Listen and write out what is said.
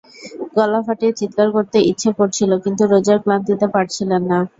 গলা ফাটিয়ে চিৎকার করতে ইচ্ছে করছিল, কিন্তু রোজার ক্লান্তিতে পারছিলেন না।